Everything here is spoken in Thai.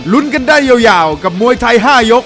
กันได้ยาวกับมวยไทย๕ยก